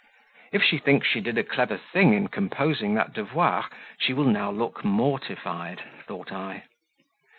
"If she thinks she did a clever thing in composing that devoir, she will now look mortified," thought I.